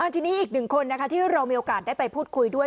ทีนี้อีกหนึ่งคนที่เรามีโอกาสได้ไปพูดคุยด้วย